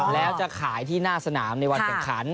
แล้วจะขายที่หน้าสนามในวันแข่งขัน